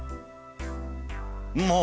もう！